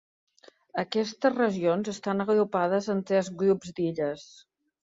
Aquestes regions estan agrupades en tres grups d'illes: